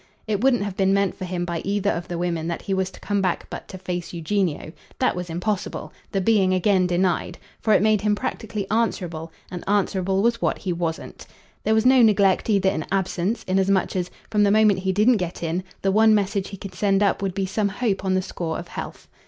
It wouldn't have been meant for him by either of the women that he was to come back but to face Eugenio. That was impossible the being again denied; for it made him practically answerable, and answerable was what he wasn't. There was no neglect either in absence, inasmuch as, from the moment he didn't get in, the one message he could send up would be some hope on the score of health.